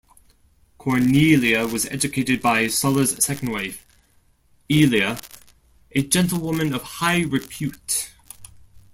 Cornelia was educated by Sulla's second wife, Aelia, a gentlewoman of high repute.